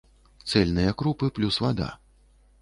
Цэльныя крупы плюс вада.